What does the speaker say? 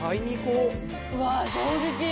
うわー、衝撃。